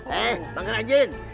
hei pangeran jin